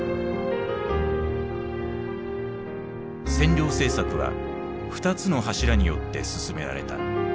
占領政策は２つの柱によって進められた。